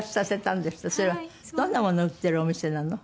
それはどんなものを売ってるお店なの？